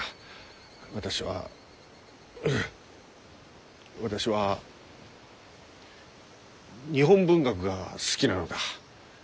私はうう私は日本文学が好きなのだ。